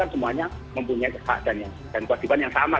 semuanya mempunyai kekhawatiran yang sama